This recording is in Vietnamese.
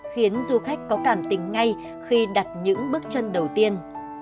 khiến du khách có cảm tình ngay khi đặt những bước chân đầu tiên